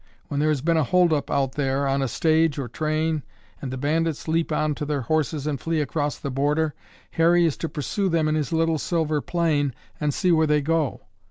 When there has been a holdup out there on a stage or a train and the bandits leap on to their horses and flee across the border, Harry is to pursue them in his little silver plane and see where they go.